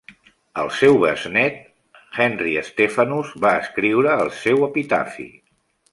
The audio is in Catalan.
El seu besnet, Henry Stephanus, va escriure el seu epitafi.